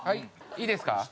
「いいですか？」